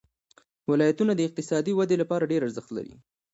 ولایتونه د اقتصادي ودې لپاره ډېر ارزښت لري.